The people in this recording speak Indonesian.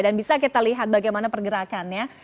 dan bisa kita lihat bagaimana pergerakannya